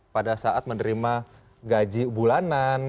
pada saat menerima gaji bulanan